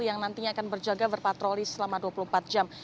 yang nantinya akan berjaga berpatroli selama dua puluh empat jam